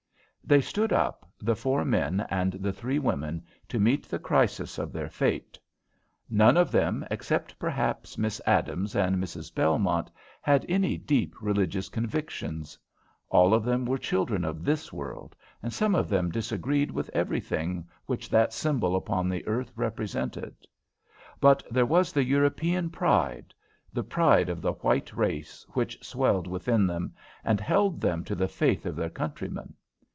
They stood up, the four men and the three women, to meet the crisis of their fate. None of them, except perhaps Miss Adams and Mrs. Belmont, had any deep religious convictions. All of them were children of this world, and some of them disagreed with everything which that symbol upon the earth represented. But there was the European pride, the pride of the white race which swelled within them, and held them to the faith of their countrymen.